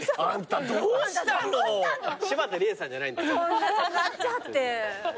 そんなとがっちゃって。